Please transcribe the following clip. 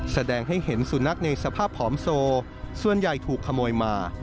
แสดงให้เห็นสุนัขในสภาพผอมโซส่วนใหญ่ถูกขโมยมา